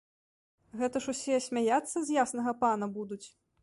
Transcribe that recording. Гэта ж усе смяяцца з яснага пана будуць.